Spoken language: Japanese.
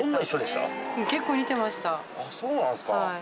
そうなんですか。